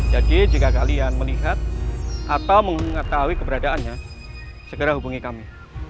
jadi jika kalian melihat atau mengetahui keberadaannya segera hubungi kami